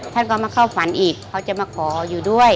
ท่านก็มาเข้าฝันอีกเขาจะมาขออยู่ด้วย